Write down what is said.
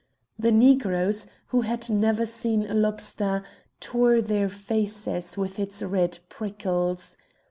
The Negroes, who had never seen a lobster, tore their faces with its red prickles.